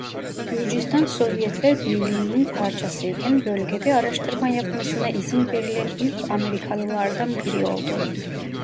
Gürcistan Sovyetler Birliği'nin parçasıyken bölgede araştırma yapmasına izin verilen ilk Amerikalılardan biri oldu.